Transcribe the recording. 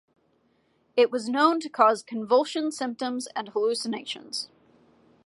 It was known to cause convulsion symptoms and hallucinations.